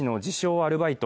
アルバイト